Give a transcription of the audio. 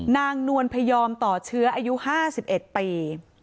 นวลพยอมต่อเชื้ออายุ๕๑ปี